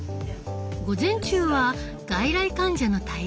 午前中は外来患者の対応。